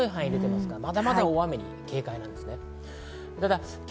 まだまだ大雨に警戒が必要です。